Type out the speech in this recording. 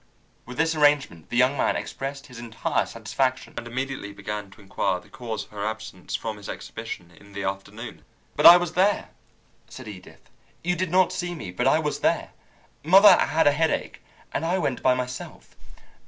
With this arrangement the young man expressed his entire satisfaction, and immediately began to inquire the cause of her absence from his exhibition in the afternoon. "But I was there," said Edith. "You did not see me, but I was there. Mother had a headache, and I went by myself."